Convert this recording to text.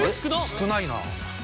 少ないなあ。